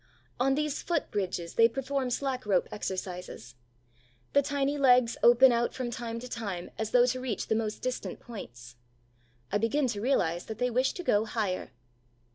On these foot bridges they perform slack rope exercises. The tiny legs open out from time to time as though to reach the most distant points. I begin to realize that they wish to go higher.